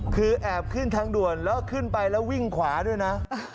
คือแอบขึ้นทางด่วนแล้วขึ้นไปแล้ววิ่งขวาด้วยนะ